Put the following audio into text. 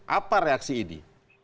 apa reaksi ini